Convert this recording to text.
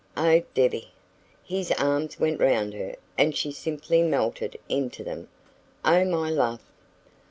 Oh, Debbie!" His arms went round her, and she simply melted into them. "Oh, my love!..."